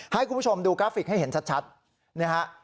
ให้คุณผู้ชมดูกราฟิกให้เห็นชัดนะฮะ